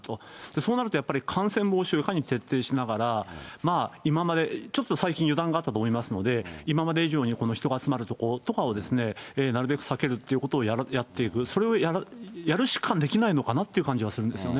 そうなると、やっぱり感染防止をいかに徹底しながら、今まで、ちょっと最近油断があったと思いますので、今まで以上に、人が集まる所をなるべく避けるっていうことをやっていく、それをやるしかできないのかなって感じはするんですよね。